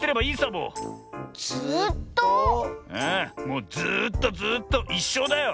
もうずっとずっといっしょうだよ。